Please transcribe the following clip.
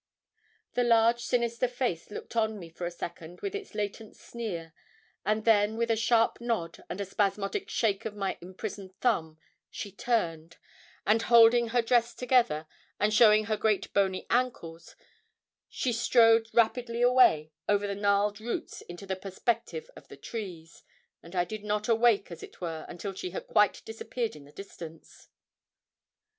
The large sinister face looked on me for a second with its latent sneer, and then, with a sharp nod and a spasmodic shake of my imprisoned thumb, she turned, and holding her dress together, and showing her great bony ankles, she strode rapidly away over the gnarled roots into the perspective of the trees, and I did not awake, as it were, until she had quite disappeared in the distance.